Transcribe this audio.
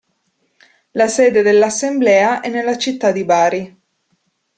La sede dell'assemblea è nella città di Bari.